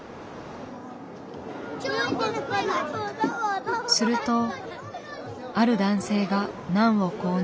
するとある男性がナンを購入。